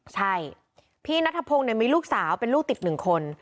ใช่พี่นัทพงศ์มีลูกสาวเป็นลูกติดหนึ่งคน